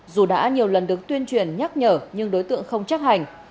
dù đã nhiều lần được tuyên truyền nhắc nhở nhưng đối tượng không chắc hành